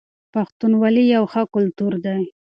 پښتونولي يو ښه کلتور دی.